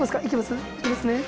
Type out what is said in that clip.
いけます？